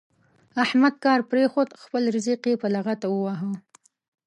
احمد کار پرېښود؛ خپل زرق يې په لغته وواهه.